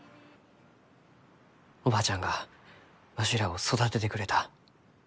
おばあちゃんがわしらを育ててくれた。